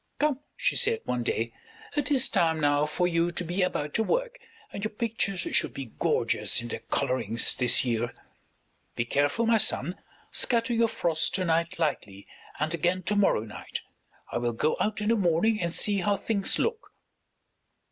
"Come," she said one day, "it is time now for you to be about your work, and your pictures should be gorgeous in their colorings this year. Be careful, my son; scatter your frost to night lightly, and again to morrow night. I will go out in the morning and see how things look."